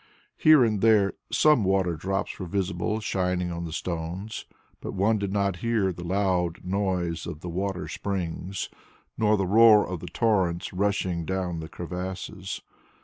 Here and there some water drops were visible shining on the stones, but one did not hear the loud noise of the water springs, nor the roar of the torrents rushing down the crevasses.